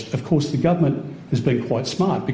tentu saja pemerintah telah berpikir pikir